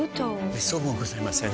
めっそうもございません。